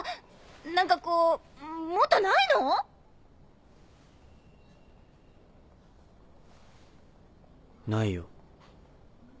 何かこうもっとないの？ないよ。